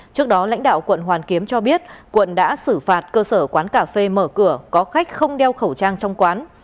trước đó lãnh đạo quận hoàn kiếm cho biết quận đã xử phạt cơ sở quán cà phê mở cửa có khách không đeo khẩu trang trong quán